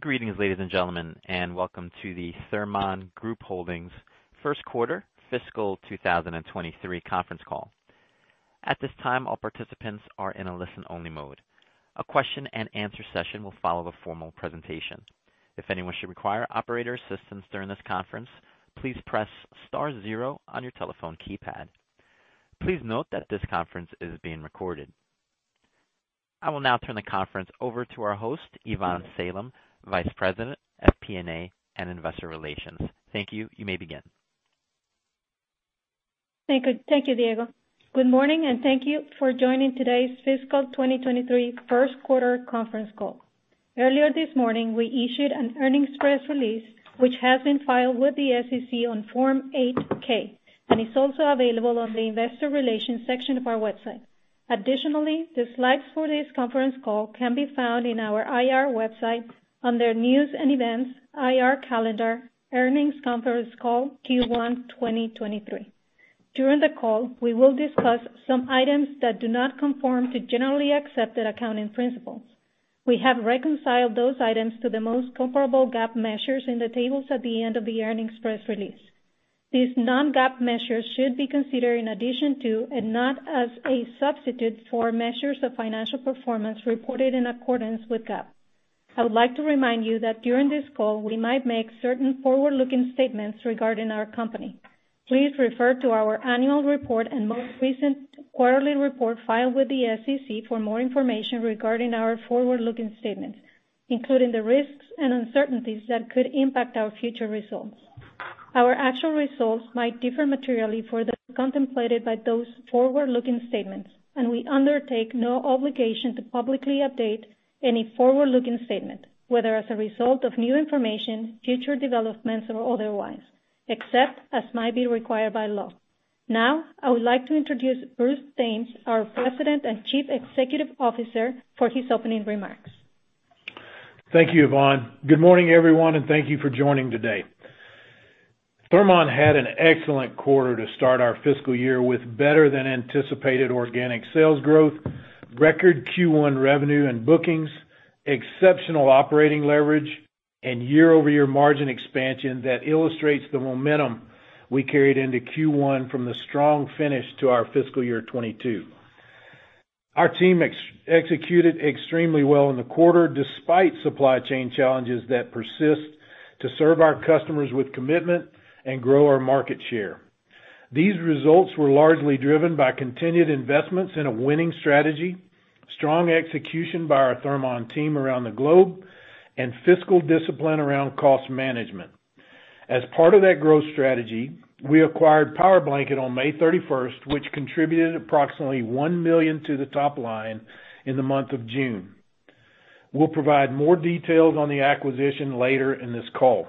Greetings, ladies and gentlemen, and welcome to the Thermon Group Holdings first quarter fiscal 2023 conference call. At this time, all participants are in a listen-only mode. A question-and-answer session will follow the formal presentation. If anyone should require operator assistance during this conference, please press star zero on your telephone keypad. Please note that this conference is being recorded. I will now turn the conference over to our host, Ivonne Salem, Vice President of FP&A and Investor Relations. Thank you. You may begin. Thank you, Diego. Good morning and thank you for joining today's fiscal 2023 first quarter conference call. Earlier this morning, we issued an earnings press release, which has been filed with the SEC on Form 8-K, and is also available on the investor relations section of our website. Additionally, the slides for this conference call can be found in our IR website under News and Events, IR Calendar, Earnings Conference Call Q1 2023. During the call, we will discuss some items that do not conform to generally accepted accounting principles. We have reconciled those items to the most comparable GAAP measures in the tables at the end of the earnings press release. These non-GAAP measures should be considered in addition to and not as a substitute for measures of financial performance reported in accordance with GAAP. I would like to remind you that during this call, we might make certain forward-looking statements regarding our company. Please refer to our annual report and most recent quarterly report filed with the SEC for more information regarding our forward-looking statements, including the risks and uncertainties that could impact our future results. Our actual results might differ materially from those contemplated by those forward-looking statements, and we undertake no obligation to publicly update any forward-looking statement, whether as a result of new information, future developments, or otherwise, except as might be required by law. Now, I would like to introduce Bruce Thames, our President and Chief Executive Officer, for his opening remarks. Thank you, Ivonne. Good morning everyone and thank you for joining today. Thermon had an excellent quarter to start our fiscal year with better than anticipated organic sales growth, record Q1 revenue and bookings, exceptional operating leverage, and year-over-year margin expansion that illustrates the momentum we carried into Q1 from the strong finish to our fiscal year 2022. Our team executed extremely well in the quarter despite supply chain challenges that persist to serve our customers with commitment and grow our market share. These results were largely driven by continued investments in a winning strategy, strong execution by our Thermon team around the globe, and fiscal discipline around cost management. As part of that growth strategy, we acquired Powerblanket on May 31st, which contributed approximately $1 million to the top line in the month of June. We'll provide more details on the acquisition later in this call.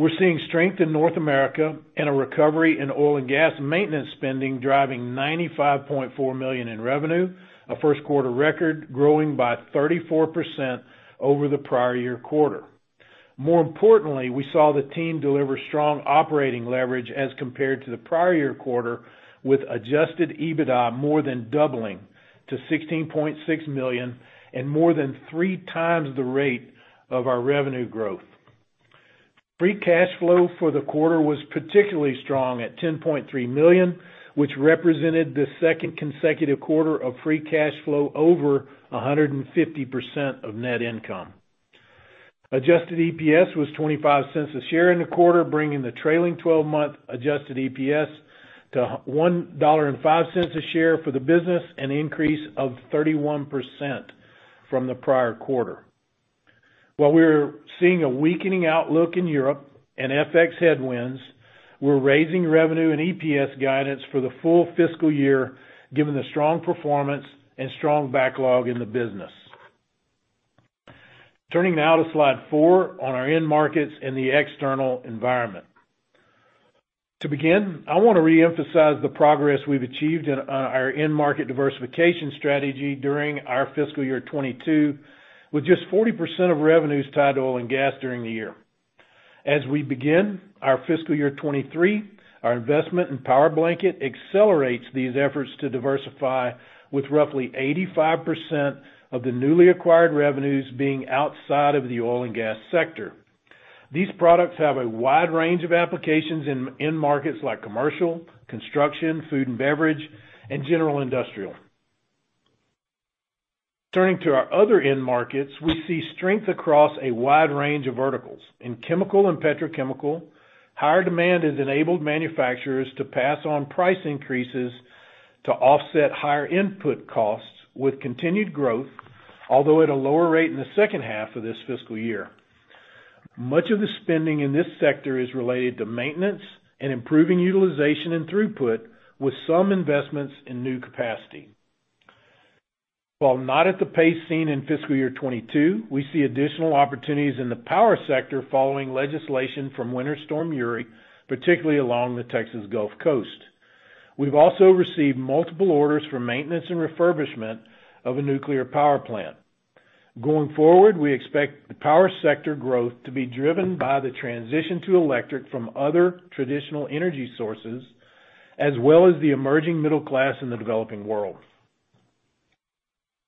We're seeing strength in North America and a recovery in oil and gas maintenance spending driving $95.4 million in revenue, a first quarter record growing by 34% over the prior-year quarter. More importantly, we saw the team deliver strong operating leverage as compared to the prior-year quarter with adjusted EBITDA more than doubling to $16.6 million and more than 3x the rate of our revenue growth. Free cash flow for the quarter was particularly strong at $10.3 million, which represented the second consecutive quarter of free cash flow over 150% of net income. Adjusted EPS was $0.25 a share in the quarter, bringing the trailing 12-month adjusted EPS to $1.05 a share for the business, an increase of 31% from the prior quarter. While we're seeing a weakening outlook in Europe and FX headwinds, we're raising revenue and EPS guidance for the full fiscal year, given the strong performance and strong backlog in the business. Turning now to slide four on our end markets and the external environment. To begin, I wanna reemphasize the progress we've achieved in our end market diversification strategy during our fiscal year 2022, with just 40% of revenues tied to oil and gas during the year. As we begin our fiscal year 2023, our investment in Powerblanket accelerates these efforts to diversify with roughly 85% of the newly acquired revenues being outside of the oil and gas sector. These products have a wide range of applications in markets like commercial, construction, food and beverage, and general industrial. Turning to our other end markets, we see strength across a wide range of verticals. In chemical and petrochemical, higher demand has enabled manufacturers to pass on price increases to offset higher input costs with continued growth, although at a lower rate in the second half of this fiscal year. Much of the spending in this sector is related to maintenance and improving utilization and throughput, with some investments in new capacity. While not at the pace seen in fiscal year 2022, we see additional opportunities in the power sector following legislation from Winter Storm Uri, particularly along the Texas Gulf Coast. We've also received multiple orders for maintenance and refurbishment of a nuclear power plant. Going forward, we expect the power sector growth to be driven by the transition to electric from other traditional energy sources, as well as the emerging middle class in the developing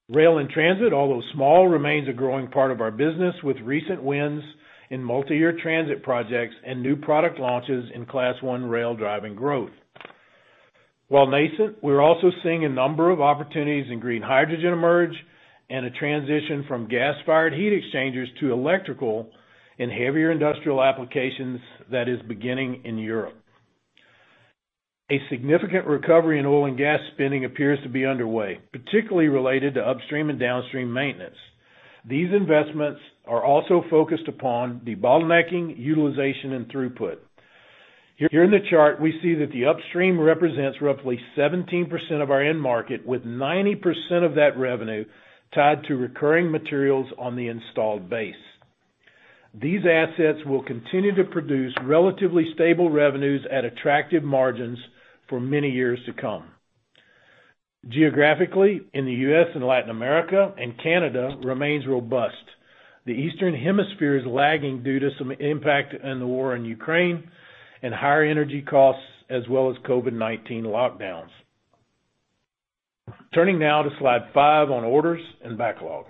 world. Rail and transit, although small, remains a growing part of our business, with recent wins in multi-year transit projects and new product launches in Class I rail driving growth. While nascent, we're also seeing a number of opportunities in green hydrogen emerge and a transition from gas-fired heat exchangers to electrical in heavier industrial applications that is beginning in Europe. A significant recovery in oil and gas spending appears to be underway, particularly related to upstream and downstream maintenance. These investments are also focused upon debottlenecking utilization and throughput. Here in the chart, we see that the upstream represents roughly 17% of our end market, with 90% of that revenue tied to recurring materials on the installed base. These assets will continue to produce relatively stable revenues at attractive margins for many years to come. Geographically, in the U.S. and Latin America and Canada remains robust. The Eastern Hemisphere is lagging due to some impact in the war in Ukraine and higher energy costs as well as COVID-19 lockdowns. Turning now to slide five on orders and backlog.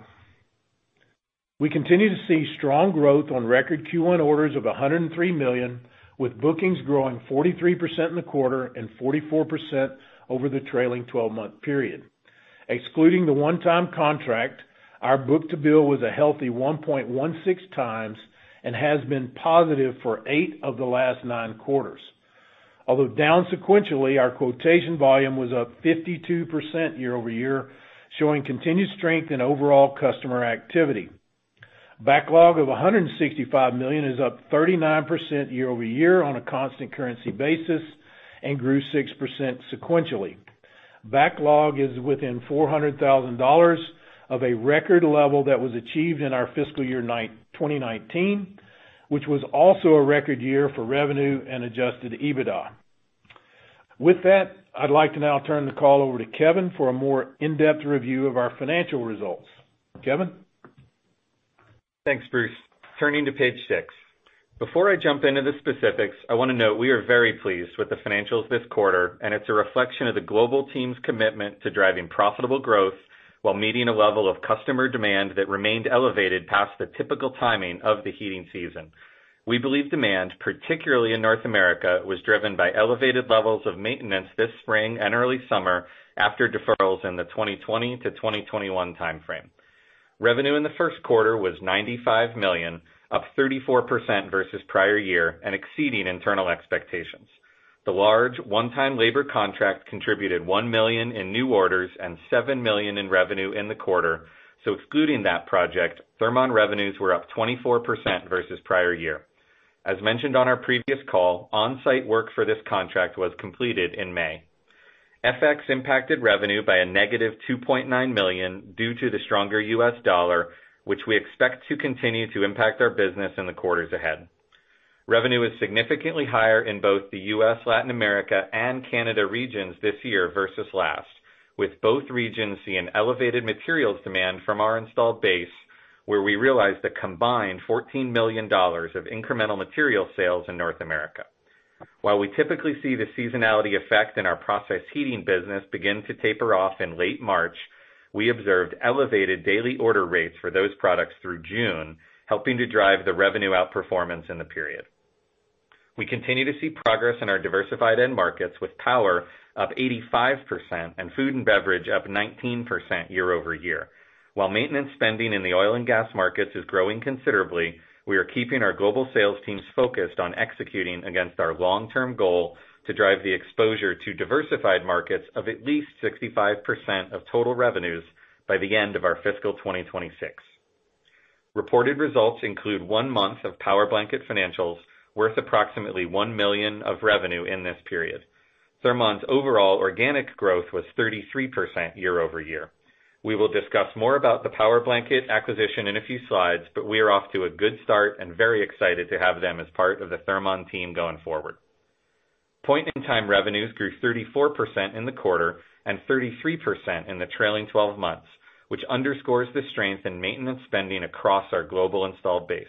We continue to see strong growth on record Q1 orders of $103 million, with bookings growing 43% in the quarter and 44% over the trailing 12-month period. Excluding the one-time contract, our book-to-bill was a healthy 1.16x and has been positive for eight of the last nine quarters. Although down sequentially, our quotation volume was up 52% year-over-year, showing continued strength in overall customer activity. Backlog of $165 million is up 39% year-over-year on a constant currency basis and grew 6% sequentially. Backlog is within $400,000 of a record level that was achieved in our fiscal year 2019, which was also a record year for revenue and adjusted EBITDA. With that, I'd like to now turn the call over to Kevin for a more in-depth review of our financial results. Kevin? Thanks, Bruce. Turning to page six. Before I jump into the specifics, I wanna note we are very pleased with the financials this quarter, and it's a reflection of the global team's commitment to driving profitable growth while meeting a level of customer demand that remained elevated past the typical timing of the heating season. We believe demand, particularly in North America, was driven by elevated levels of maintenance this spring and early summer after deferrals in the 2020 to 2021 time frame. Revenue in the first quarter was $95 million, up 34% versus prior year and exceeding internal expectations. The large one-time labor contract contributed $1 million in new orders and $7 million in revenue in the quarter, so excluding that project, Thermon revenues were up 24% versus prior year. As mentioned on our previous call, on-site work for this contract was completed in May. FX impacted revenue by -$2.9 million due to the stronger U.S. dollar, which we expect to continue to impact our business in the quarters ahead. Revenue is significantly higher in both the U.S., Latin America, and Canada regions this year versus last, with both regions seeing elevated materials demand from our installed base, where we realized a combined $14 million of incremental material sales in North America. While we typically see the seasonality effect in our process heating business begin to taper off in late March, we observed elevated daily order rates for those products through June, helping to drive the revenue outperformance in the period. We continue to see progress in our diversified end markets, with power up 85% and food and beverage up 19% year-over-year. While maintenance spending in the oil and gas markets is growing considerably, we are keeping our global sales teams focused on executing against our long-term goal to drive the exposure to diversified markets of at least 65% of total revenues by the end of our fiscal 2026. Reported results include one month of Powerblanket financials worth approximately $1 million of revenue in this period. Thermon's overall organic growth was 33% year-over-year. We will discuss more about the Powerblanket acquisition in a few slides, but we are off to a good start and very excited to have them as part of the Thermon team going forward. Point-in-time revenues grew 34% in the quarter and 33% in the trailing 12 months, which underscores the strength in maintenance spending across our global installed base.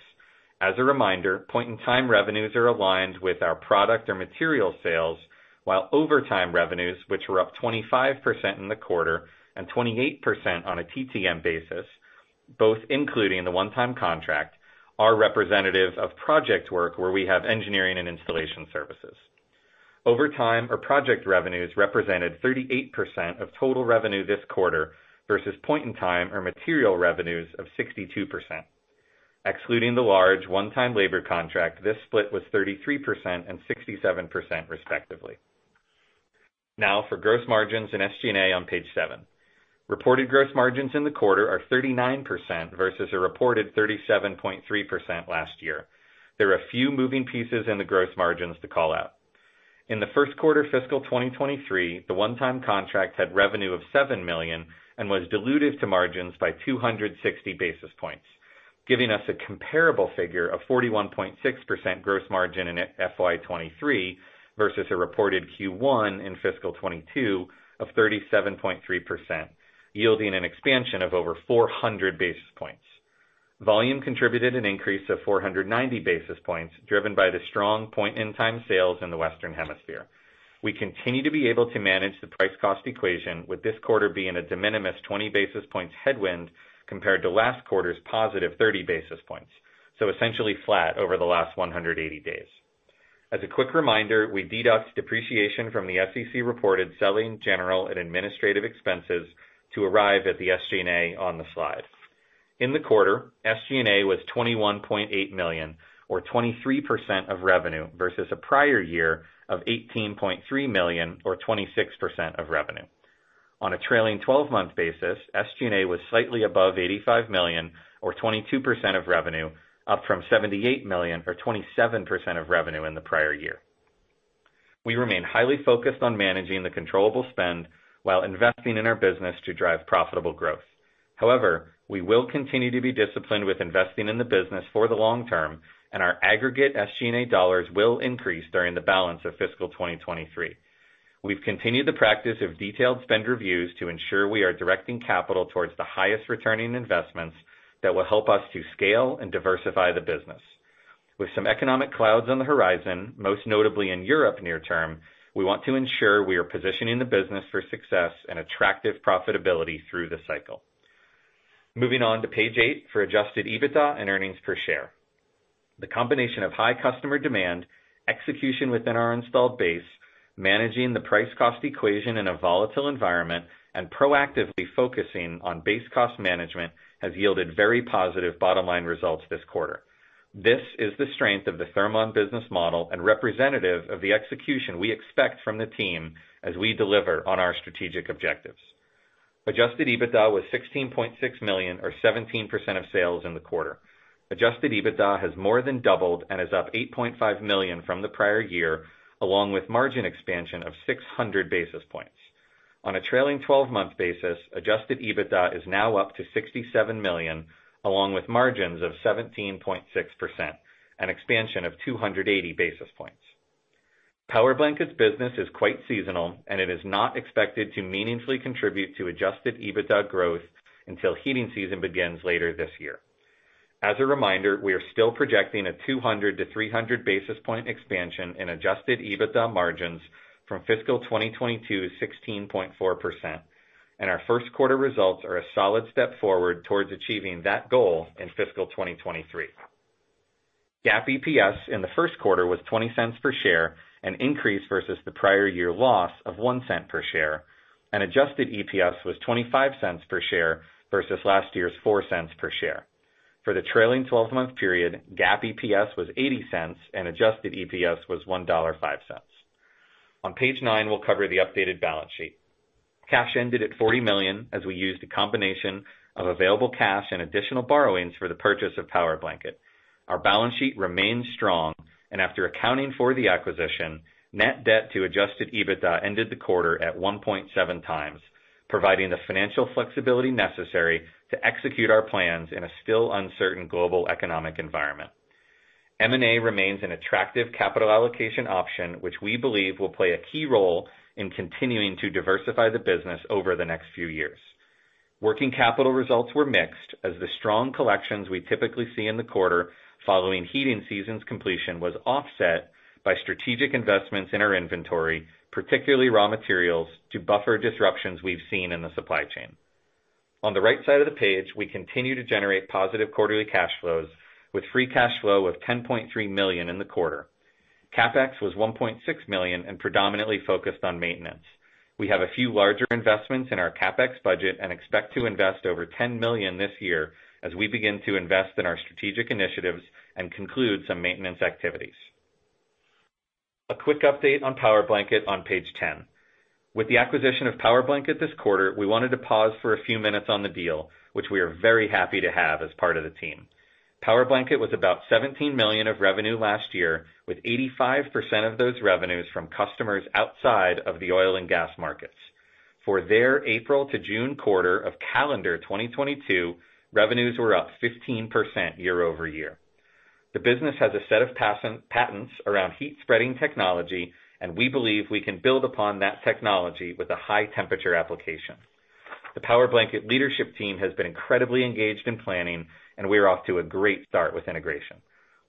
As a reminder, point-in-time revenues are aligned with our product or material sales, while over time revenues, which were up 25% in the quarter and 28% on a TTM basis, both including the one-time contract, are representative of project work where we have engineering and installation services. Over time or project revenues represented 38% of total revenue this quarter versus point-in-time or material revenues of 62%. Excluding the large one-time labor contract, this split was 33% and 67% respectively. Now for gross margins and SG&A on page seven. Reported gross margins in the quarter are 39% versus a reported 37.3% last year. There are a few moving pieces in the gross margins to call out. In the first quarter fiscal 2023, the one-time contract had revenue of $7 million and was dilutive to margins by 260 basis points, giving us a comparable figure of 41.6% gross margin in FY 2023 versus a reported Q1 in fiscal 2022 of 37.3%, yielding an expansion of over 400 basis points. Volume contributed an increase of 490 basis points driven by the strong point-in-time sales in the Western Hemisphere. We continue to be able to manage the price cost equation with this quarter being a de minimis 20 basis points headwind compared to last quarter's +30 basis points, so essentially flat over the last 180 days. As a quick reminder, we deduct depreciation from the SEC reported selling, general, and administrative expenses to arrive at the SG&A on the slide. In the quarter, SG&A was $21.8 million or 23% of revenue versus a prior year of $18.3 million or 26% of revenue. On a trailing 12-month basis, SG&A was slightly above $85 million or 22% of revenue, up from $78 million or 27% of revenue in the prior year. We remain highly focused on managing the controllable spend while investing in our business to drive profitable growth. However, we will continue to be disciplined with investing in the business for the long term, and our aggregate SG&A dollars will increase during the balance of fiscal 2023. We've continued the practice of detailed spend reviews to ensure we are directing capital towards the highest returning investments that will help us to scale and diversify the business. With some economic clouds on the horizon, most notably in Europe near term, we want to ensure we are positioning the business for success and attractive profitability through the cycle. Moving on to page eight for adjusted EBITDA and earnings per share. The combination of high customer demand, execution within our installed base, managing the price cost equation in a volatile environment, and proactively focusing on base cost management has yielded very positive bottom line results this quarter. This is the strength of the Thermon business model and representative of the execution we expect from the team as we deliver on our strategic objectives. Adjusted EBITDA was $16.6 million or 17% of sales in the quarter. Adjusted EBITDA has more than doubled and is up $8.5 million from the prior year, along with margin expansion of 600 basis points. On a trailing 12-month basis, adjusted EBITDA is now up to $67 million, along with margins of 17.6%, an expansion of 280 basis points. Powerblanket business is quite seasonal, and it is not expected to meaningfully contribute to adjusted EBITDA growth until heating season begins later this year. As a reminder, we are still projecting a 200-300 basis point expansion in adjusted EBITDA margins from fiscal 2022 16.4%, and our first quarter results are a solid step forward towards achieving that goal in fiscal 2023. GAAP EPS in the first quarter was $0.20 per share, an increase versus the prior year loss of $0.01 per share, and adjusted EPS was $0.25 per share versus last year's $0.04 per share. For the trailing 12-month period, GAAP EPS was $0.80 and adjusted EPS was $1.05. On page nine, we'll cover the updated balance sheet. Cash ended at $40 million as we used a combination of available cash and additional borrowings for the purchase of Powerblanket. Our balance sheet remains strong, and after accounting for the acquisition, net debt to adjusted EBITDA ended the quarter at 1.7x, providing the financial flexibility necessary to execute our plans in a still uncertain global economic environment. M&A remains an attractive capital allocation option, which we believe will play a key role in continuing to diversify the business over the next few years. Working capital results were mixed as the strong collections we typically see in the quarter following heating season's completion was offset by strategic investments in our inventory, particularly raw materials, to buffer disruptions we've seen in the supply chain. On the right side of the page, we continue to generate positive quarterly cash flows with free cash flow of $10.3 million in the quarter. CapEx was $1.6 million and predominantly focused on maintenance. We have a few larger investments in our CapEx budget and expect to invest over $10 million this year as we begin to invest in our strategic initiatives and conclude some maintenance activities. A quick update on Powerblanket on page 10. With the acquisition of Powerblanket this quarter, we wanted to pause for a few minutes on the deal, which we are very happy to have as part of the team. Powerblanket was about $17 million of revenue last year, with 85% of those revenues from customers outside of the oil and gas markets. For their April to June quarter of calendar 2022, revenues were up 15% year-over-year. The business has a set of patents around heat spreading technology, and we believe we can build upon that technology with a high temperature application. The Powerblanket leadership team has been incredibly engaged in planning, and we are off to a great start with integration.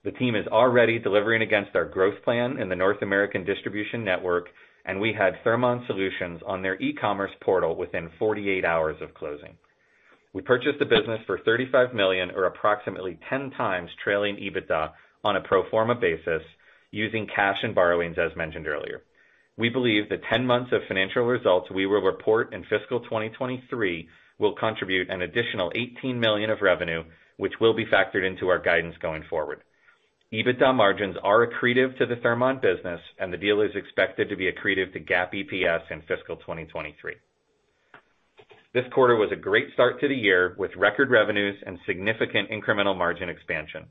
The team is already delivering against our growth plan in the North American distribution network, and we had Thermon solutions on their e-commerce portal within 48 hours of closing. We purchased the business for $35 million or approximately 10x trailing EBITDA on a pro forma basis using cash and borrowings, as mentioned earlier. We believe the 10 months of financial results we will report in fiscal 2023 will contribute an additional $18 million of revenue, which will be factored into our guidance going forward. EBITDA margins are accretive to the Thermon business, and the deal is expected to be accretive to GAAP EPS in fiscal 2023. This quarter was a great start to the year with record revenues and significant incremental margin expansion.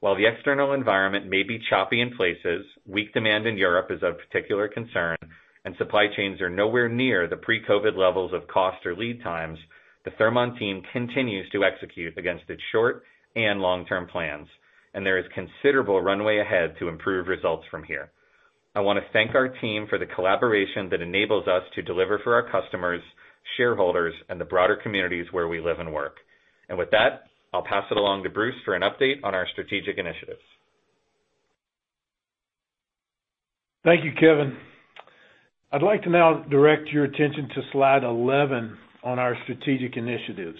While the external environment may be choppy in places, weak demand in Europe is of particular concern, and supply chains are nowhere near the pre-COVID levels of cost or lead times, the Thermon team continues to execute against its short and long-term plans, and there is considerable runway ahead to improve results from here. I wanna thank our team for the collaboration that enables us to deliver for our customers, shareholders, and the broader communities where we live and work. With that, I'll pass it along to Bruce for an update on our strategic initiatives. Thank you, Kevin. I'd like to now direct your attention to slide 11 on our strategic initiatives.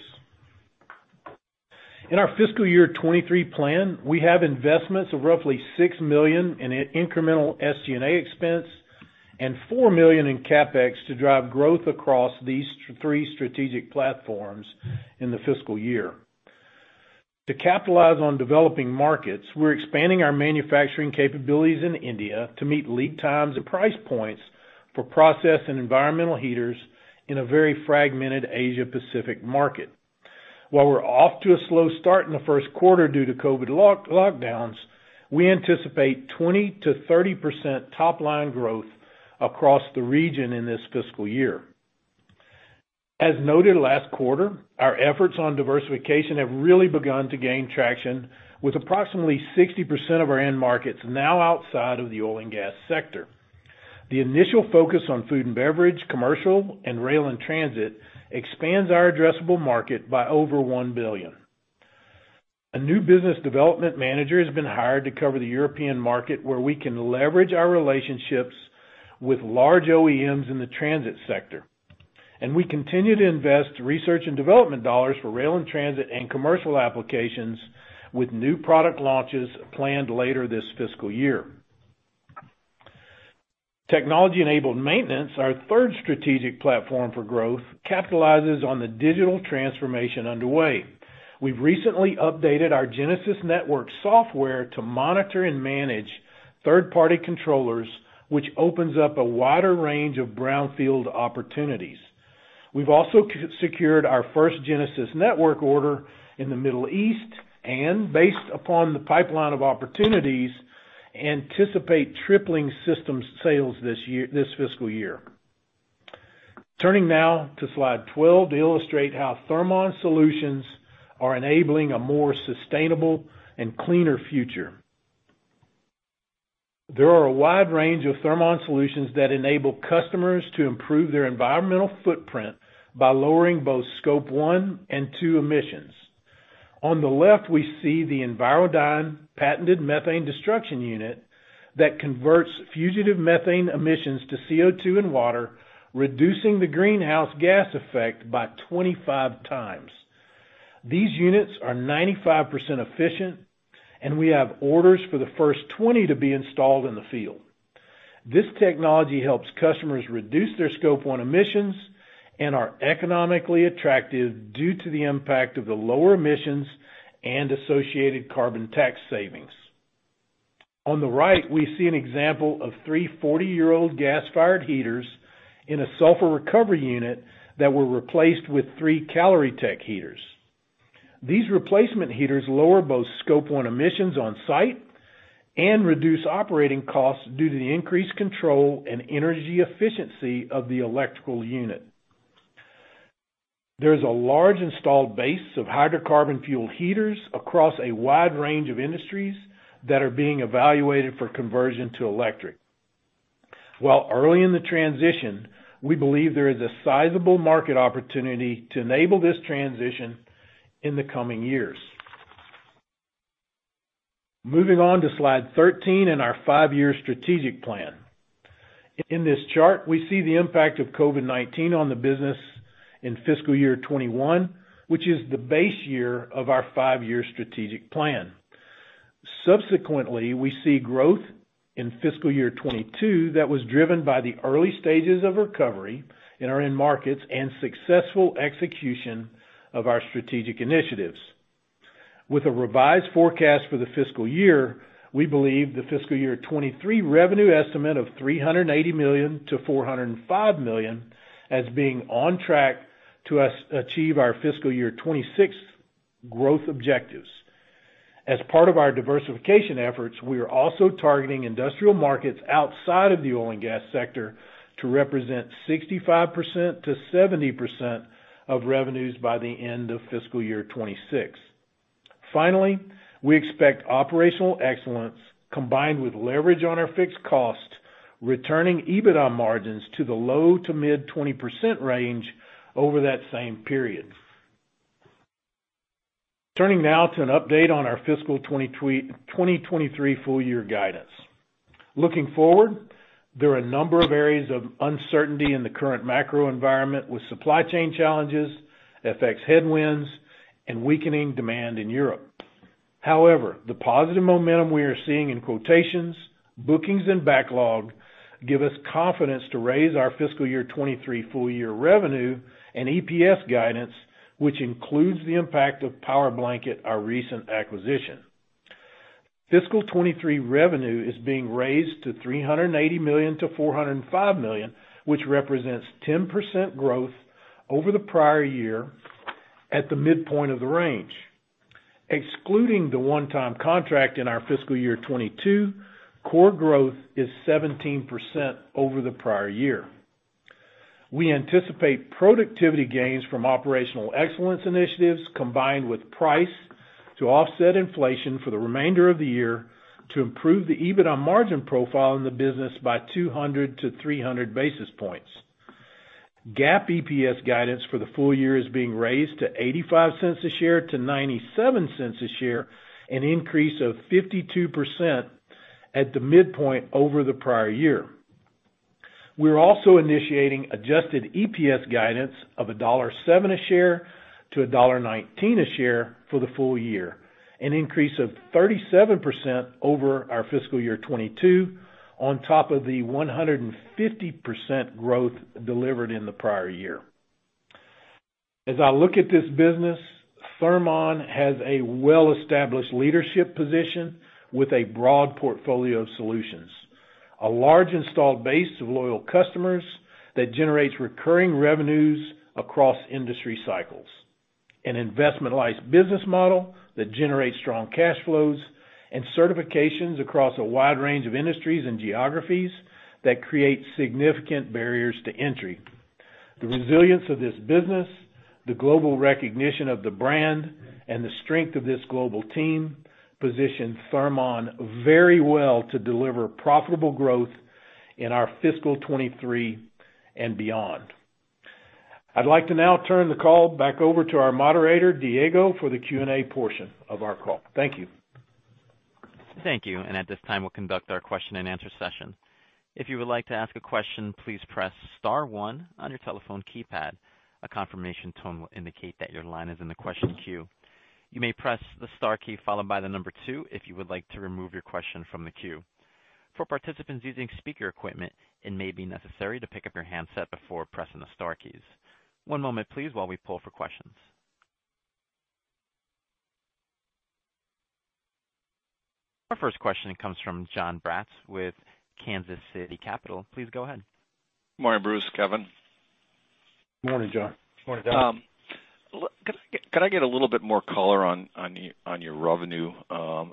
In our fiscal year 2023 plan, we have investments of roughly $6 million in incremental SG&A expense and $4 million in CapEx to drive growth across these three strategic platforms in the fiscal year. To capitalize on developing markets, we're expanding our manufacturing capabilities in India to meet lead times and price points for process and environmental heaters in a very fragmented Asia-Pacific market. While we're off to a slow start in the first quarter due to COVID lockdowns, we anticipate 20%-30% top line growth across the region in this fiscal year. As noted last quarter, our efforts on diversification have really begun to gain traction with approximately 60% of our end markets now outside of the oil and gas sector. The initial focus on food and beverage, commercial, and rail and transit expand our addressable market by over $1 billion. A new business development manager has been hired to cover the European market where we can leverage our relationships with large OEMs in the transit sector. We continue to invest research and development dollars for rail and transit and commercial applications with new product launches planned later this fiscal year. Technology-enabled maintenance, our third strategic platform for growth, capitalizes on the digital transformation underway. We've recently updated our Genesis Network software to monitor and manage third-party controllers, which opens up a wider range of brownfield opportunities. We've also secured our first Genesis Network order in the Middle East and, based upon the pipeline of opportunities, anticipate tripling systems sales this fiscal year. Turning now to slide 12 to illustrate how Thermon solutions are enabling a more sustainable and cleaner future. There are a wide range of Thermon solutions that enable customers to improve their environmental footprint by lowering both Scope one and two emissions. On the left, we see the EnviroDyne patented methane destruction unit that converts fugitive methane emissions to CO2 and water, reducing the greenhouse gas effect by 25 times. These units are 95% efficient, and we have orders for the first 20 to be installed in the field. This technology helps customers reduce their Scope one emissions and are economically attractive due to the impact of the lower emissions and associated carbon tax savings. On the right, we see an example of three 40-year-old gas-fired heaters in a sulfur recovery unit that were replaced with three Caloritech heaters. These replacement heaters lower both Scope one emissions on site and reduce operating costs due to the increased control and energy efficiency of the electrical unit. There's a large installed base of hydrocarbon fueled heaters across a wide range of industries that are being evaluated for conversion to electric. While early in the transition, we believe there is a sizable market opportunity to enable this transition in the coming years. Moving on to slide 13 and our five-year strategic plan. In this chart, we see the impact of COVID-19 on the business in fiscal year 2021, which is the base year of our five-year strategic plan. Subsequently, we see growth in fiscal year 2022 that was driven by the early stages of recovery in our end markets and successful execution of our strategic initiatives. With a revised forecast for the fiscal year, we believe the fiscal year 2023 revenue estimate of $380 million-$405 million as being on track to achieve our fiscal year 2026 growth objectives. As part of our diversification efforts, we are also targeting industrial markets outside of the oil and gas sector to represent 65%-70% of revenues by the end of fiscal year 2026. Finally, we expect operational excellence combined with leverage on our fixed cost, returning EBITDA margins to the low- to mid-20% range over that same period. Turning now to an update on our fiscal 2023 full-year guidance. Looking forward, there are a number of areas of uncertainty in the current macro environment with supply chain challenges, FX headwinds, and weakening demand in Europe. However, the positive momentum we are seeing in quotations, bookings, and backlog give us confidence to raise our fiscal year 2023 full-year revenue and EPS guidance, which includes the impact of Powerblanket, our recent acquisition. Fiscal 2023 revenue is being raised to $380 million-$405 million, which represents 10% growth over the prior year at the midpoint of the range. Excluding the one-time contract in our fiscal year 2022, core growth is 17% over the prior year. We anticipate productivity gains from operational excellence initiatives combined with price to offset inflation for the remainder of the year to improve the EBITDA margin profile in the business by 200-300 basis points. GAAP EPS guidance for the full-year is being raised to $0.85-$0.97 a share, an increase of 52% at the midpoint over the prior year. We're also initiating adjusted EPS guidance of $1.07-$1.19 a share for the full-year, an increase of 37% over our fiscal year 2022 on top of the 150% growth delivered in the prior year. As I look at this business, Thermon has a well-established leadership position with a broad portfolio of solutions, a large installed base of loyal customers that generates recurring revenues across industry cycles, an investment-wise business model that generates strong cash flows, and certifications across a wide range of industries and geographies that create significant barriers to entry. The resilience of this business, the global recognition of the brand, and the strength of this global team position Thermon very well to deliver profitable growth in our fiscal 2023 and beyond. I'd like to now turn the call back over to our moderator, Diego, for the Q&A portion of our call. Thank you. Thank you. At this time, we'll conduct our question-and-answer session. If you would like to ask a question, please press star one on your telephone keypad. A confirmation tone will indicate that your line is in the question queue. You may press the star key followed by the number two if you would like to remove your question from the queue. For participants using speaker equipment, it may be necessary to pick up your handset before pressing the star keys. One moment, please, while we poll for questions. Our first question comes from John Braatz with Kansas City Capital. Please go ahead. Morning, Bruce, Kevin. Morning, John. Could I get a little bit more color on your revenue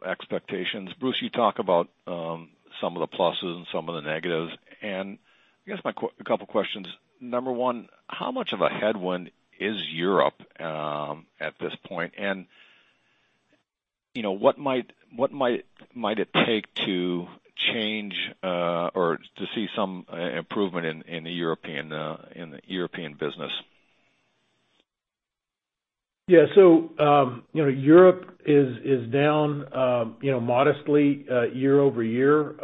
expectations? Bruce, you talk about some of the pluses and some of the negatives, and I guess a couple questions. Number one, how much of a headwind is Europe at this point? You know, what might it take to change or to see some improvement in the European business? Yeah. You know, Europe is down, you know, modestly, year-over-year.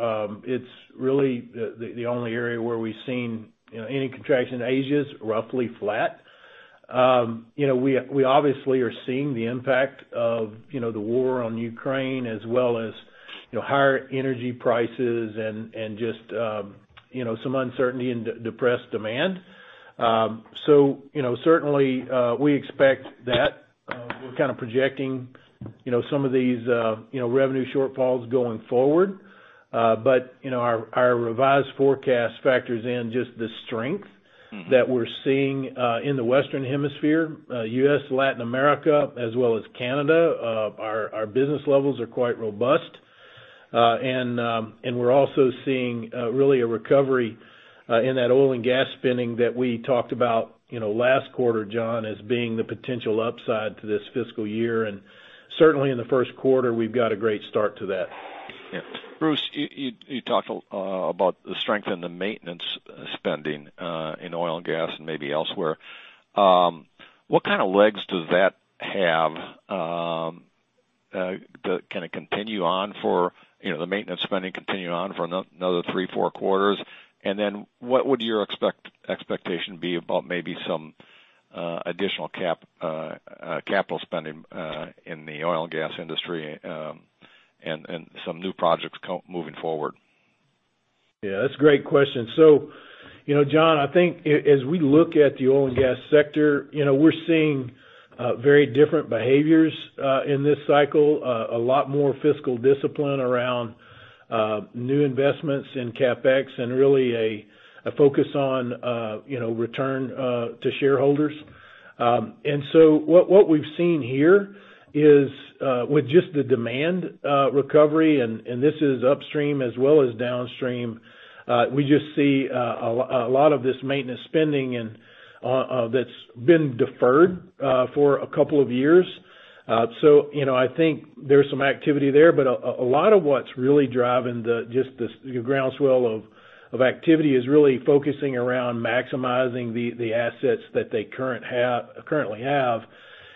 It's really the only area where we've seen, you know, any contraction. Asia is roughly flat. You know, we obviously are seeing the impact of, you know, the war in Ukraine as well as, you know, higher energy prices and just, you know, some uncertainty in depressed demand. You know, certainly, we expect that. We're kind of projecting, you know, some of these, you know, revenue shortfalls going forward. You know, our revised forecast factors in just the strength. That we're seeing in the Western Hemisphere, U.S., Latin America, as well as Canada. Our business levels are quite robust. We're also seeing really a recovery in that oil and gas spending that we talked about, you know, last quarter, John, as being the potential upside to this fiscal year. Certainly in the first quarter, we've got a great start to that. Yeah. Bruce, you talked about the strength in the maintenance spending in oil and gas and maybe elsewhere. What kind of legs does that have? Can it continue on for, you know, the maintenance spending continue on for another three, four quarters? Then what would your expectation be about maybe some additional capital spending in the oil and gas industry, and some new projects moving forward? Yeah, that's a great question. You know, John, I think as we look at the oil and gas sector, you know, we're seeing very different behaviors in this cycle, a lot more fiscal discipline around new investments in CapEx and really a focus on, you know, return to shareholders. What we've seen here is with just the demand recovery, and this is upstream as well as downstream, we just see a lot of this maintenance spending and that's been deferred for a couple of years. You know, I think there's some activity there, but a lot of what's really driving just this groundswell of activity is really focusing around maximizing the assets that they currently have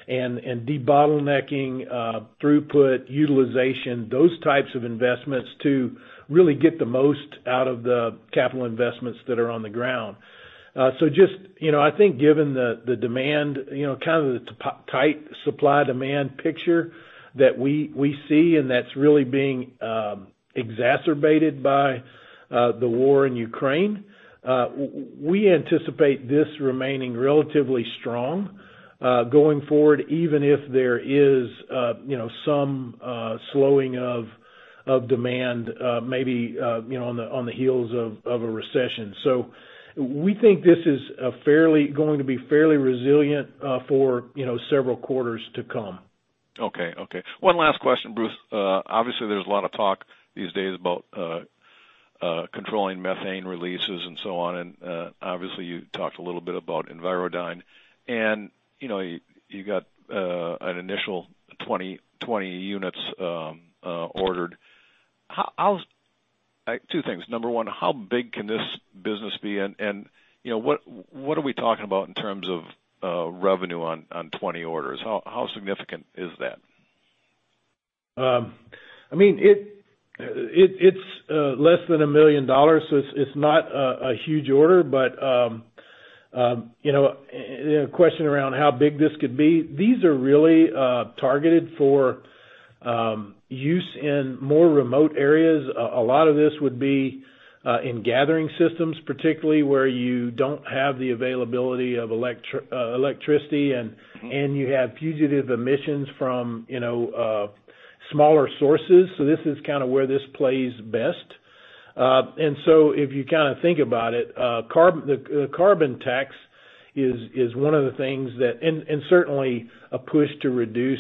and debottlenecking throughput, utilization, those types of investments to really get the most out of the capital investments that are on the ground. You know, I think given the demand, you know, kind of the tight supply-demand picture that we see and that's really being exacerbated by the war in Ukraine, we anticipate this remaining relatively strong going forward, even if there is you know, some slowing of demand, maybe you know, on the heels of a recession. We think this is going to be fairly resilient, you know, for several quarters to come. Okay. One last question, Bruce. Obviously, there's a lot of talk these days about controlling methane releases and so on, and obviously, you talked a little bit about EnviroDyne, and you know, you got an initial 20 units ordered. Two things. Number one, how big can this business be and you know, what are we talking about in terms of revenue on 20 orders? How significant is that? I mean, it's less than $1 million, so it's not a huge order. You know, a question around how big this could be. These are really targeted for use in more remote areas. A lot of this would be in gathering systems, particularly where you don't have the availability of electricity and you have fugitive emissions from, you know, smaller sources. This is kinda where this plays best. If you kinda think about it, the carbon tax is one of the things that. Certainly, a push to reduce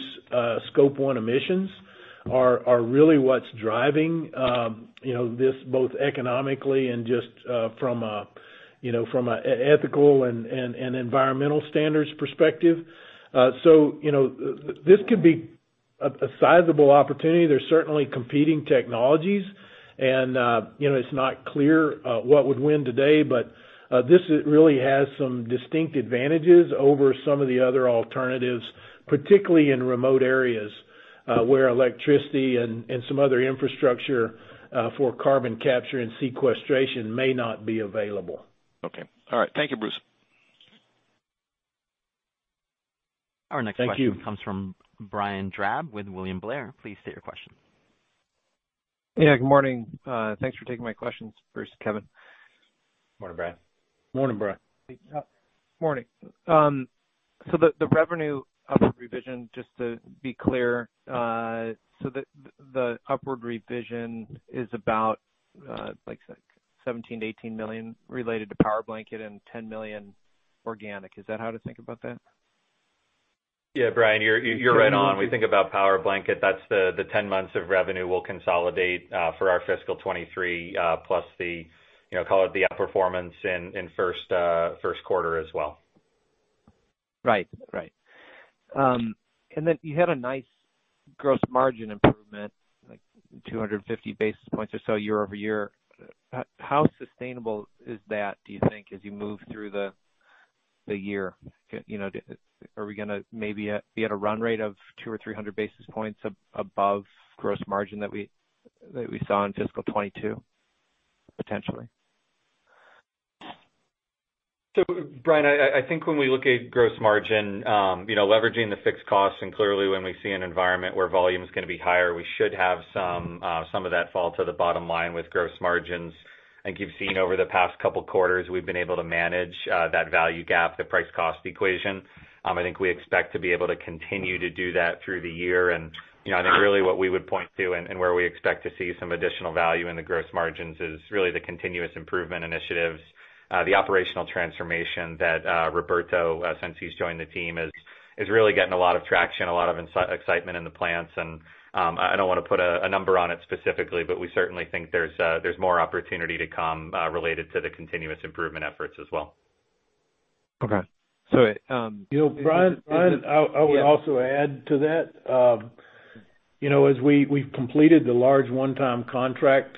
Scope one emissions is really what's driving this both economically and just from an ethical and environmental standards perspective. You know, this could be a sizable opportunity. There's certainly competing technologies and, you know, it's not clear what would win today, but this really has some distinct advantages over some of the other alternatives, particularly in remote areas, where electricity and some other infrastructure for carbon capture and sequestration may not be available. Okay. All right. Thank you, Bruce. Our next question. Thank you. comes from Brian Drab with William Blair. Please state your question. Yeah, good morning. Thanks for taking my questions, Bruce and Kevin. Morning, Brian. Morning, Brian. Morning. The revenue upward revision, just to be clear, so the upward revision is about, like $17 million-$18 million related to Powerblanket and $10 million organic. Is that how to think about that? Yeah, Brian, you're right on. We think about Powerblanket, that's the 10 months of revenue we'll consolidate for our fiscal 2023, plus, you know, call it the outperformance in first quarter as well. Right. And then you had a nice gross margin improvement, like 250 basis points or so year-over-year. How sustainable is that, do you think, as you move through the year? You know, are we gonna maybe be at a run rate of 200 or 300 basis points above gross margin that we saw in fiscal 2022, potentially? Brian, I think when we look at gross margin, you know, leveraging the fixed costs, and clearly when we see an environment where volume is gonna be higher, we should have some of that fall to the bottom line with gross margins. I think you've seen over the past couple quarters, we've been able to manage that value gap, the price cost equation. I think we expect to be able to continue to do that through the year. You know, I think really what we would point to and where we expect to see some additional value in the gross margins is really the continuous improvement initiatives, the operational transformation that Roberto since he's joined the team is really getting a lot of traction, a lot of excitement in the plants. I don't wanna put a number on it specifically, but we certainly think there's more opportunity to come related to the continuous improvement efforts as well. Okay. You know, Brian, I would also add to that, you know, as we've completed the large one-time contract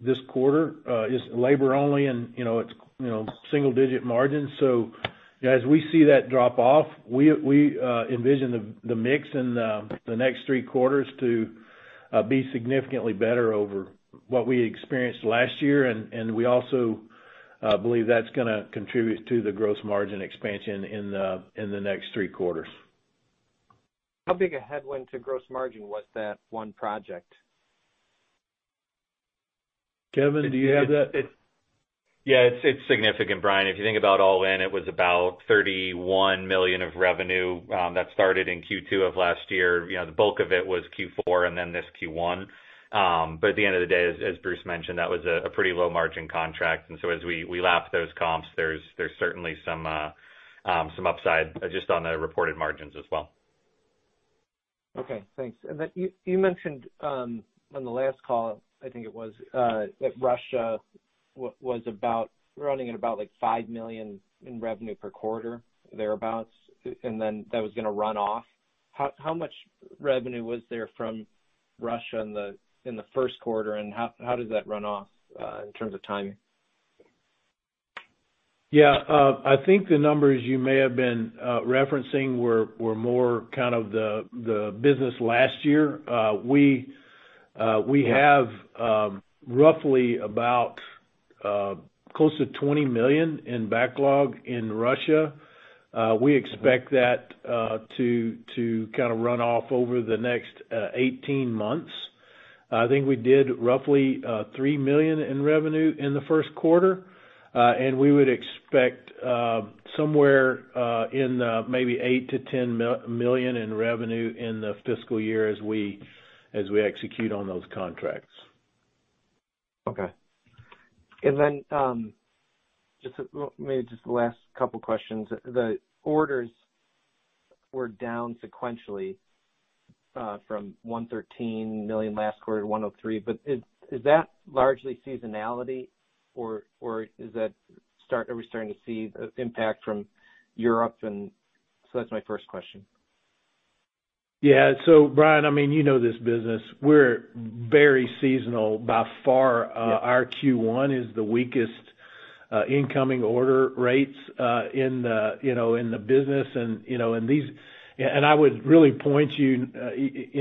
this quarter is labor only and, you know, it's, you know, single-digit margins. As we see that drop off, we envision the mix in the next three quarters to be significantly better over what we experienced last year. We also believe that's gonna contribute to the gross margin expansion in the next three quarters. How big a headwind to gross margin was that one project? Kevin, do you have that? Yeah. It's significant, Brian. If you think about all in, it was about $31 million of revenue that started in Q2 of last year. You know, the bulk of it was Q4 and then this Q1. But at the end of the day, as Bruce mentioned, that was a pretty low margin contract. As we lap those comps, there's certainly some upside just on the reported margins as well. Okay, thanks. You mentioned on the last call, I think it was, that Russia was about running at about, like, $5 million in revenue per quarter thereabout, and then that was gonna run off. How much revenue was there from Russia in the first quarter, and how does that run off in terms of timing? Yeah. I think the numbers you may have been referencing were more kind of the business last year. We have roughly about close to $20 million in backlog in Russia. We expect that to kinda run off over the next 18 months. I think we did roughly $3 million in revenue in the first quarter, and we would expect somewhere in maybe $8 million-$10 million in revenue in the fiscal year as we execute on those contracts. Okay. Just the last couple questions. The orders were down sequentially from $113 million last quarter to $103 million. Is that largely seasonality or are we starting to see impact from Europe? That's my first question. Yeah. Brian, I mean, you know this business. We're very seasonal by far. Yeah. Our Q1 is the weakest incoming order rates in the, you know, in the business and, you know. I would really point you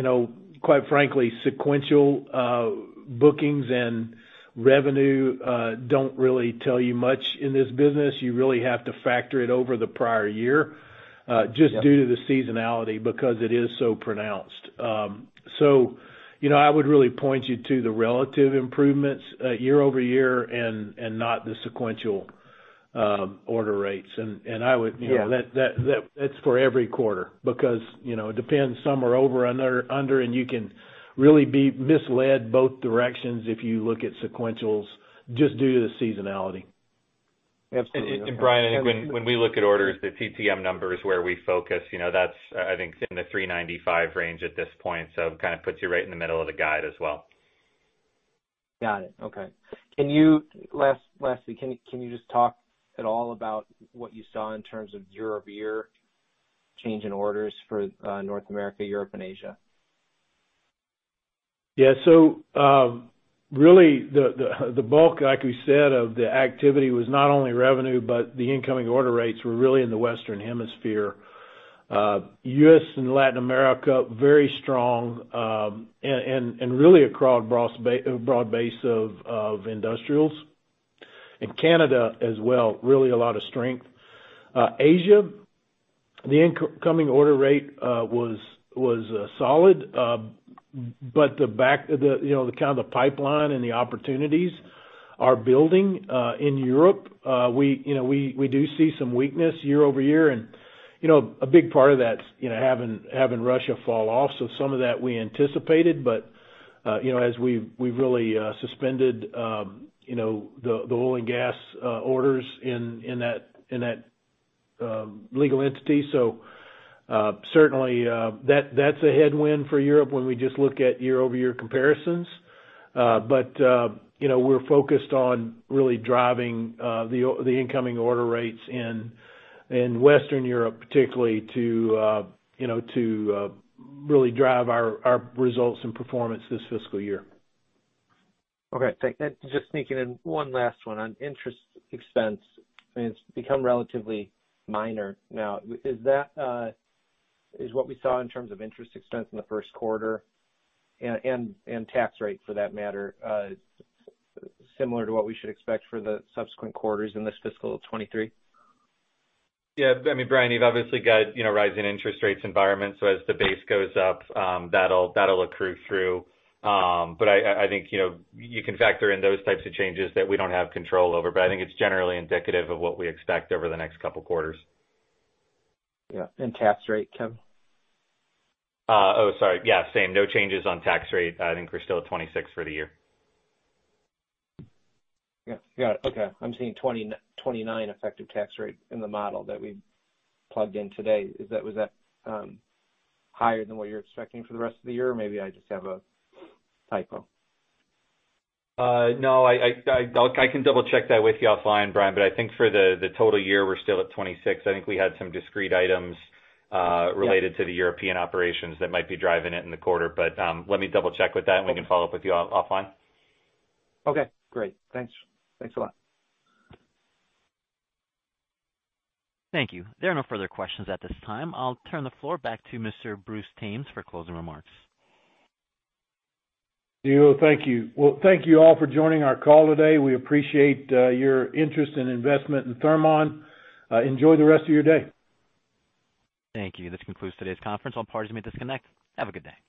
know, quite frankly, sequential bookings and revenue don't really tell you much in this business. You really have to factor it over the prior year. Yeah just due to the seasonality because it is so pronounced. You know, I would really point you to the relative improvements, year over year and I would- Yeah. You know, that's for every quarter because, you know, it depends. Some are over, under, and you can really be misled both directions if you look at sequentials just due to the seasonality. Absolutely. Brian, when we look at orders, the TTM number is where we focus. You know, that's, I think, in the 395 range at this point, so kind of puts you right in the middle of the guide as well. Got it. Okay. Lastly, can you just talk at all about what you saw in terms of year-over-year change in orders for North America, Europe and Asia? Really the bulk, like we said, of the activity was not only revenue, but the incoming order rates were really in the Western Hemisphere. U.S. and Latin America, very strong, and really across broad base of industrials. In Canada as well, really a lot of strength. Asia, the incoming order rate was solid. But the backlog, you know, the kind of the pipeline and the opportunities are building. In Europe, we do see some weakness year-over-year and a big part of that's having Russia fall off. Some of that we anticipated, but you know, as we've really suspended you know the oil and gas orders in that legal entity. Certainly, that's a headwind for Europe when we just look at year-over-year comparisons. You know, we're focused on really driving the incoming order rates in Western Europe, particularly to really drive our results and performance this fiscal year. Okay. Just sneaking in one last one on interest expense, and it's become relatively minor now. Is that what we saw in terms of interest expense in the first quarter and tax rate for that matter, similar to what we should expect for the subsequent quarters in this fiscal 2023? Yeah. I mean, Brian, you've obviously got, you know, rising interest rates environment, so as the base goes up, that'll accrue through. I think, you know, you can factor in those types of changes that we don't have control over, but I think it's generally indicative of what we expect over the next couple quarters. Yeah. Tax rate, Kevin? Sorry. Yeah, same. No changes on tax rate. I think we're still at 26% for the year. Yeah. Got it. Okay. I'm seeing 29% effective tax rate in the model that we plugged in today. Is that, was that, higher than what you're expecting for the rest of the year? Maybe I just have a typo. No. I can double check that with you offline, Brian, but I think for the total year, we're still at 26%. I think we had some discrete items. Yeah related to the European operations that might be driving it in the quarter. Let me double check with that. Okay. We can follow up with you offline. Okay. Great. Thanks. Thanks a lot. Thank you. There are no further questions at this time. I'll turn the floor back to Mr. Bruce Thames for closing remarks. Diego, thank you. Well, thank you all for joining our call today. We appreciate your interest and investment in Thermon. Enjoy the rest of your day. Thank you. This concludes today's conference. All parties may disconnect. Have a good day.